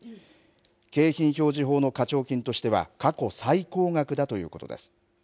景品表示法の課徴金としては過去最高額だということです。